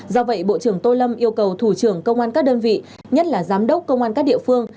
do vậy bộ trưởng tô lâm yêu cầu thủ trưởng công an các đơn vị nhất là giám đốc công an các địa phương